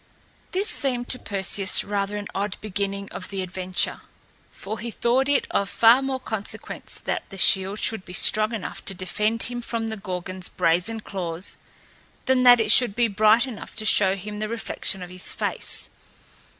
This seemed to Perseus rather an odd beginning of the adventure, for he thought it of far more consequence that the shield should be strong enough to defend him from the Gorgon's brazen claws than that it should be bright enough to show him the reflection of his face.